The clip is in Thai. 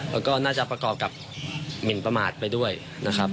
แล้วก็น่าจะประกอบกับหมินประมาทไปด้วยนะครับ